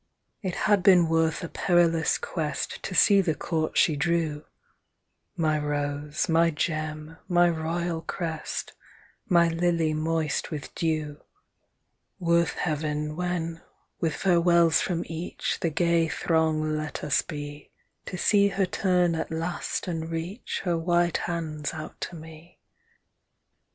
It had been worth a perilous quest To see the court she drew, My rose, my gem, my royal crest, My lily moist with dew; Worth heaven, when, with farewells from each The gay throng let us be, To see her turn at last and reach Her white hands out to me.